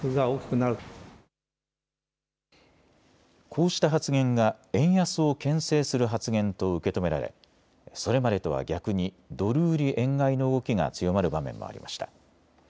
こうした発言が円安をけん制する発言と受け止められそれまでとは逆にドル売り円買いの動きが強まる場面もありました。